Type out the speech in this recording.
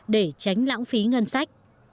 để tránh lãng phí ngân sách